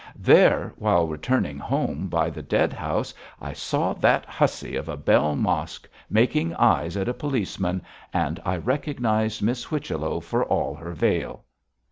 There, while returning home by the dead house, I saw that hussy of a Bell Mosk making eyes at a policeman, and I recognised Miss Whichello for all her veil.'